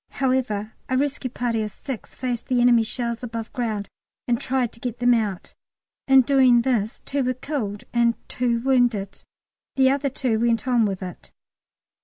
However, a rescue party of six faced the enemy shells above ground and tried to get them out. In doing this two were killed and two wounded. The other two went on with it.